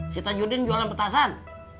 si tanjudin jualan petasan